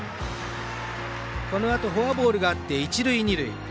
このあとフォアボールがあって一塁二塁。